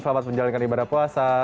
selamat menjalankan ibadah puasa